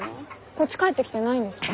こっち帰ってきてないんですか？